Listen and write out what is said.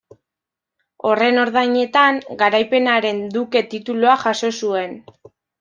Horren ordainetan, Garaipenaren duke titulua jaso zuen.